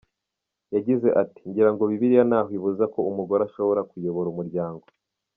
Yagize ati “Ngira ngo Bibiliya ntaho ibuza ko umugore ashobora kuyobora umuryango.